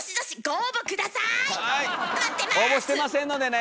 応募してませんのでね！